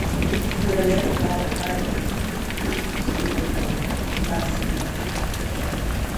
When Amanda Waller hired him, he was used to work on Plastique.